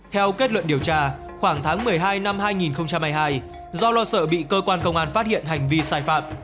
theo kết luận điều tra khoảng tháng một mươi hai năm hai nghìn hai mươi hai do lo sợ bị cơ quan công an phát hiện hành vi sai phạm